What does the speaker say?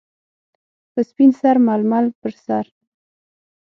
- په سپین سر ململ پر سر.